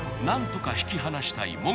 なんとか引き離したい